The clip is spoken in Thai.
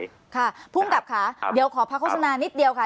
ค่ะพุ่มกลับขาครับเดี๋ยวขอพักโฆษณานิดเดียวค่ะ